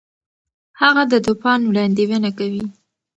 هغه د طوفان وړاندوینه کوي.